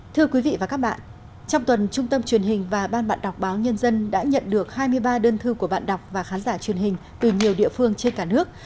thưa quý vị và các bạn trong tuần trung tâm truyền hình và ban bạn đọc báo nhân dân đã nhận được hai mươi ba đơn thư của bạn đọc và khán giả truyền hình từ nhiều địa phương trên cả nước